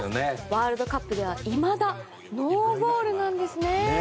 ワールドカップではいまだノーゴールなんですね。